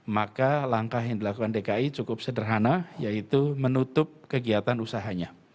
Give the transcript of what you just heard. maka langkah yang dilakukan dki cukup sederhana yaitu menutup kegiatan usahanya